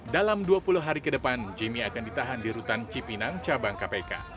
dalam dua puluh hari ke depan jimmy akan ditahan di rutan cipinang cabang kpk